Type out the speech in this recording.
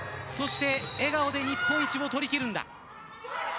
そして笑顔で日本一を取りきるんだ。